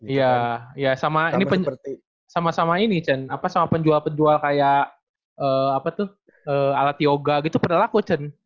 iya sama ini sama sama ini chen sama penjual penjual kayak alat yoga gitu pada laku chen